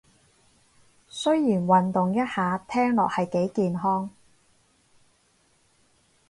雖然運動一下聽落係幾健康